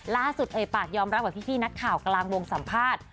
เอ่ยปากยอมรับกับพี่นักข่าวกลางวงสัมภาษณ์